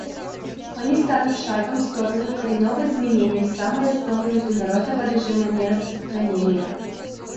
Они станут шагом в сторону коренного изменения самой основы международного режима нераспространения.